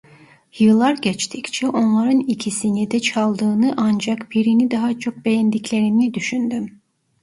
Yıllar geçtikçe onların ikisini de çaldığını ancak birini daha çok beğendiklerini düşündüm.